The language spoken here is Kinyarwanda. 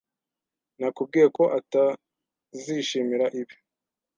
Nakubwiye ko atazishimira ibi.